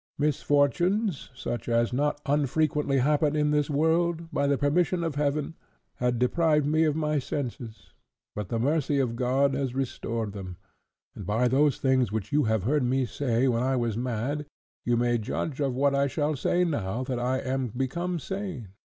Misfortunes such as not unfrequently happen in this world, by the permission of heaven, had deprived me of my senses, but the mercy of God has restored them; and by those things which you have heard me say when I was mad, you may judge of what I shall say now that I am become sane.